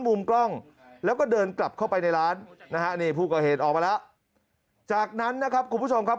มุมกล้องแล้วก็เดินกลับเข้าไปในร้านนะฮะนี่ผู้ก่อเหตุออกมาแล้วจากนั้นนะครับคุณผู้ชมครับ